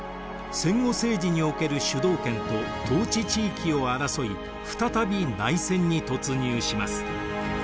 戦後政治における主導権と統治地域を争い再び内戦に突入します。